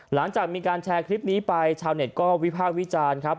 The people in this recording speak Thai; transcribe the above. หลังจากมีการแชร์คลิปนี้ไปชาวเน็ตก็วิพากษ์วิจารณ์ครับ